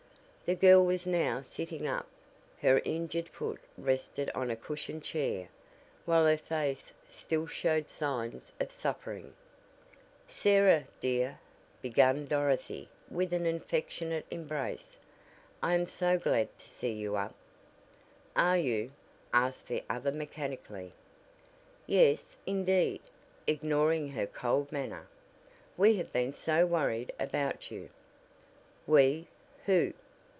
The girl was now sitting up; her injured foot rested on a cushioned chair, while her face still showed signs of suffering. "Sarah, dear," began Dorothy with an affectionate embrace, "I am so glad to see you up." "Are you?" asked the other mechanically. "Yes, indeed," ignoring her cold manner, "we have been so worried about you." "We? Who?"